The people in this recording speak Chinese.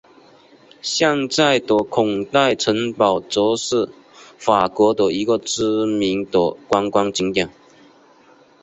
现在的孔代城堡则是法国的一个知名的观光景点。